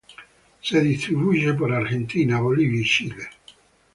Se distribuye por Argentina, Bolivia y Chile.